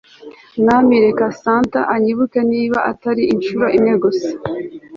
mwami, reka santa anyibuke niba atari inshuro imwe gusa